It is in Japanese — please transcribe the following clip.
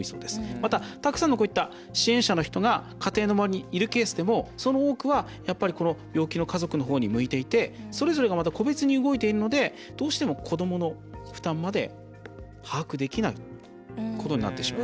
また、たくさんの支援者の人が家庭の周りにいるケースでもその多くは、やっぱり病気の家族のほうに向いていてそれぞれがまた個別に動いているのでどうしても子どもの負担まで把握できないことになってしまう。